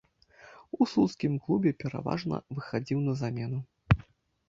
У слуцкім клубе пераважна выхадзіў на замену.